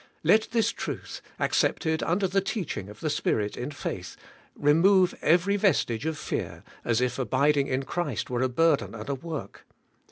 Let this truth, accepted under the teaching of the Spirit in faith, remove every vestige of fear, as if abiding in Christ were a burden and a work.